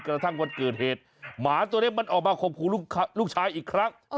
กระทั่งวันเกิดเหตุหมาตัวนี้มันออกมาข่มขู่ลูกชายอีกครั้ง